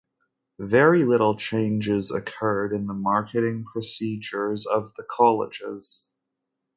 Very little changes occurred in the marketing procedures of the Colleges.